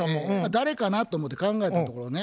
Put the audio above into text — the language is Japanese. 誰かなと思って考えたところね